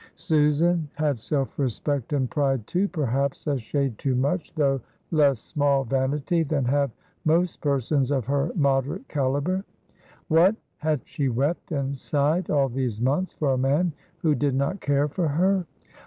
Susan had self respect and pride, too, perhaps a shade too much though less small vanity than have most persons of her moderate caliber. What! had she wept and sighed all these months for a man who did not care for her?